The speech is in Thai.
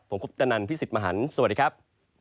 ผมคุปตนันพี่สิทธิ์มหันฯสวัสดีครับ